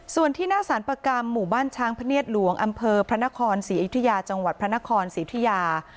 ศรีอยุธยาจังหวัดพระนครศรีอยุธยา